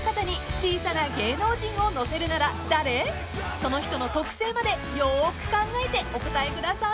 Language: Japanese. ［その人の特性までよーく考えてお答えください］